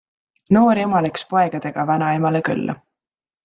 Noor ema läks poegadega vanaemale külla.